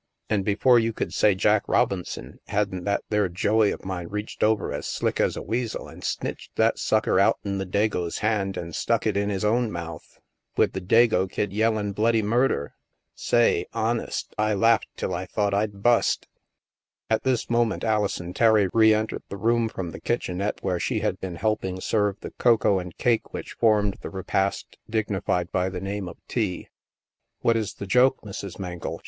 An' before 6 THE MASK you could say Jack Robinson, hadn't that there Joey of mine reached over as slick as a weasel, and snitched that sucker out'en the Dago's hand, an' stuck it in 'is own mouth, with the Dago kid yellin' bloody murder ? Say, honest, I laffed till I thought I'd bust." At this moment, Alison Terry reentered the room from the kitchenette where she had been help ing serve the cocoa and cake which formed the re past dignified by the name of " tea." "What is the joke, Mrs. Mengle?"